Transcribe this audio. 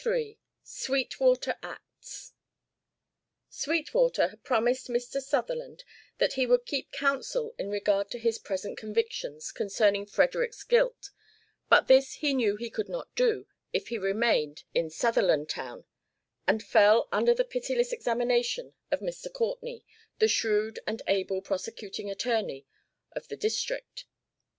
XXII SWEETWATER ACTS Sweetwater had promised Mr. Sutherland that he would keep counsel in regard to his present convictions concerning Frederick's guilt; but this he knew he could not do if he remained in Sutherlandtown and fell under the pitiless examination of Mr. Courtney, the shrewd and able prosecuting attorney of the district.